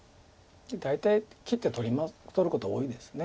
大体切って取ることが多いです。